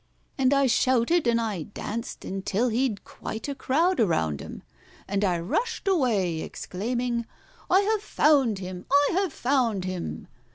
And I shouted and I danced until he'd quite a crowd around him— And I rushed away exclaiming, "I have found him! I have found him!"